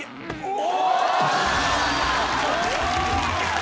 お！